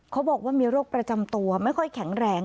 เขาบอกว่ามีโรคประจำตัวไม่ค่อยแข็งแรง